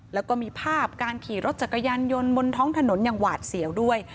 แล้วก็มีภาพการขี่รถจักรยานยนต์บนท้องถนนอย่างหวาดเสียวด้วย